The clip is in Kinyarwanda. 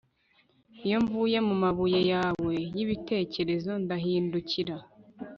Iyo mvuye mumabuye yawe yibitekerezo ndahindukira